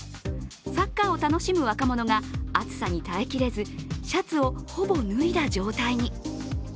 サッカーを楽しむ若者が暑さに耐えきれずシャツをほぼ脱いだ状態に。